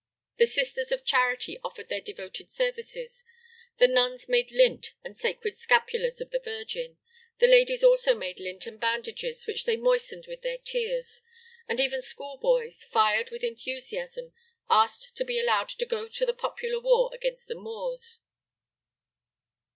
The Sisters of Charity offered their devoted services; the nuns made lint and sacred scapulars of the Virgin; the ladies also made lint and bandages which they moistened with their tears; and even schoolboys, fired with enthusiasm, asked to be allowed to go to the popular war against the Moors.